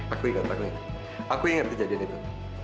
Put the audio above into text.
aku ingat aku ingat aku ingat kejadian itu